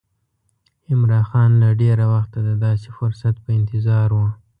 عمرا خان له ډېره وخته د داسې فرصت په انتظار و.